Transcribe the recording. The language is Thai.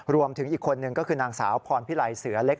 รวมถึงอีกคนนึงก็คือนางสาวพรพิไลเสือเล็ก